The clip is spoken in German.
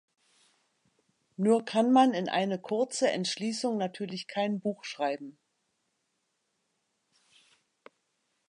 Nur kann man in eine kurze Entschließung natürlich kein Buch schreiben.